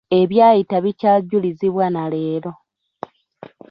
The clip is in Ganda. Ebyayita bikyajulizibwa na leero.